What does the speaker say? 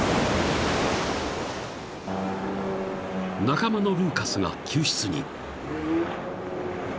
［仲間のルーカスが救出に］